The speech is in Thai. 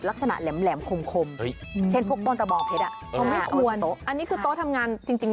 ลักษณะแหลมคมเช่นพวกต้นกระบองเพชรอ่ะอันนี้คือโต๊ะทำงานจริง